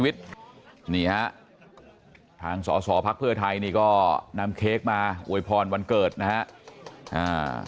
นี่ฮะทางสอสอภักดิ์เพื่อไทยนี่ก็นำเค้กมาอวยพรวันเกิดนะฮะ